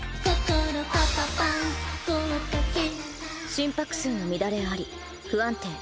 心拍数の乱れあり不安定。